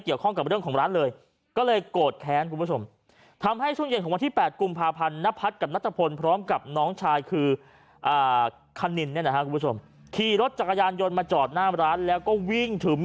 เกี่ยวข้องกับเรื่องของร้านเลยก็เลยโกรธแท้คุณผู้สมทำให้